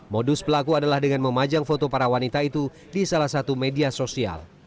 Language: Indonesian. modus pelaku adalah dengan memajang foto para wanita itu di salah satu media sosial